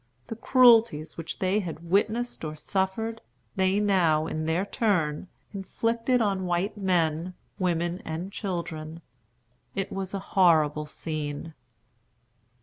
The cruelties which they had witnessed or suffered, they now, in their turn, inflicted on white men, women, and children. It was a horrible scene.